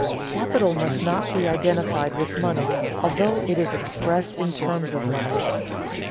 _Capital must not be identified with money although it is expressed in terms of money.